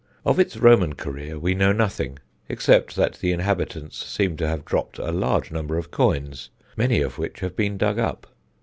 Of its Roman career we know nothing, except that the inhabitants seem to have dropped a large number of coins, many of which have been dug up.